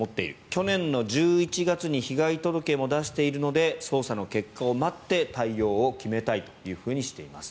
去年の１１月に被害届も出しているので捜査の結果を待って対応を決めたいとしています。